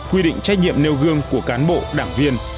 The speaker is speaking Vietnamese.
quy định trách nhiệm nêu gương của cán bộ đảng viên